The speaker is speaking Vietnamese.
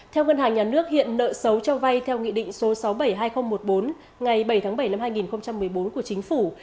theo ngân hàng nhà nước hiện nợ xấu cho vay theo nghị định số sáu trăm bảy mươi hai nghìn một mươi bốn ngày bảy tháng bảy năm hai nghìn một mươi bốn của chính phủ